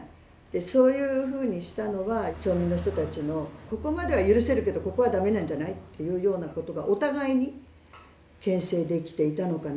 そういうふうにしたのは町民の人たちのここまでは許せるけどここは駄目なんじゃない？っていうようなことがお互いに形成できていたのかなと。